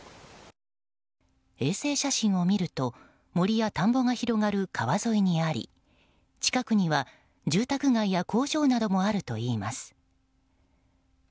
衛星写真を見ると森や田んぼが広がる川沿いにあり近くには、住宅街や工場などもあるといいます。